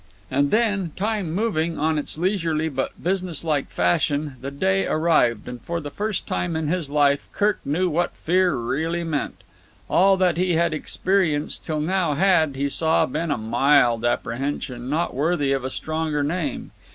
And then, time moving on its leisurely but businesslike fashion, the day arrived, and for the first time in his life Kirk knew what fear really meant. All that he had experienced till now had, he saw, been a mild apprehension, not worthy of a stronger name.